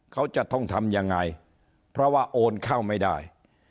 เขาจะต้องทำยังไงเพราะว่าโอนเข้าไม่ได้